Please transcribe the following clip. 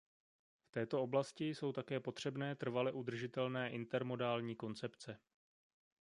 V této oblasti jsou také potřebné trvale udržitelné intermodální koncepce.